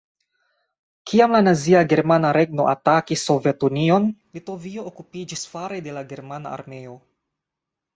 Kiam la nazia Germana Regno atakis Sovetunion, Litovio okupiĝis fare de la germana armeo.